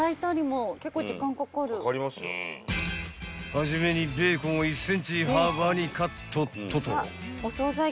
［はじめにベーコンを１ｃｍ幅にカットットと］